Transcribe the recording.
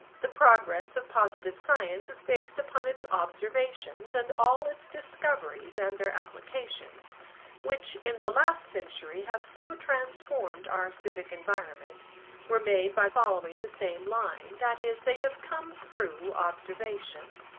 The progress of positive science is based upon its observations and all its discoveries and their applications, which in the last century have so transformed our civic environment, were made by following the same line–that is, they have come through observation.